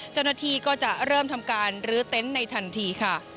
เช่นนาทีก็จะเริ่มทำการหรือเต็นต์ในทันที